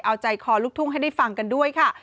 เอาใจคอลูกทุ่งให้ได้ฟังกันด้วยค่ะ